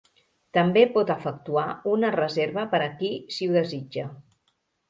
També pot efectuar una reserva per aquí si ho desitja.